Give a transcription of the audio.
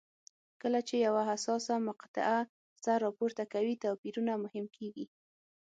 کله چې یوه حساسه مقطعه سر راپورته کوي توپیرونه مهم کېږي.